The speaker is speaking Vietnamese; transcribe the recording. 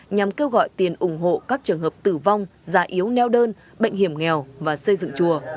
nhằm kêu gọi tiền ủng hộ các trường hợp tử vong già yếu neo đơn bệnh hiểm nghèo và xây dựng chùa